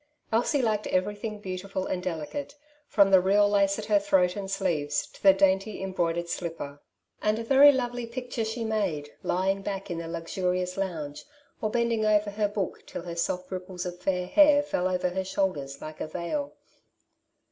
Elsie liked everything beautiful and de licate, from the real lace at her throat and sleeves, to the dainty embroidered slipper ; and a very lovely Elsies Influence. S3 picture she made, lying back in the luxurious lounge, or bending over her book till her soft ripples of fair hair fell oyer her shoulders like a veil.